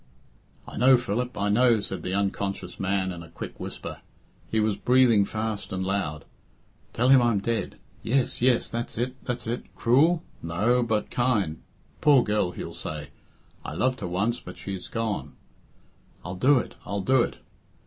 "I know, Philip, I know," said the unconscious man in a quick whisper; he was breathing fast and loud. "Tell him I'm dead yes, yes, that's it, that's it cruel? no, but kind 'Poor girl,' he'll say, 'I loved her once, but she's gone' I'll do it, I'll do it."